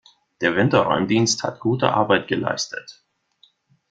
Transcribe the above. Der Winterräumdienst hat gute Arbeit geleistet.